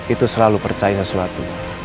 itu selalu percaya sesuatu